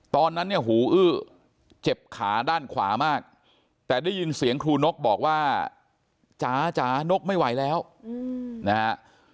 ตอนนั้นเนี่ยหูอื้อเจ็บขาด้านขวามากแต่ได้ยินเสียงครูนกบอกว่าจ๋าจ๋านกไม่ไหวแล้วนะฮะ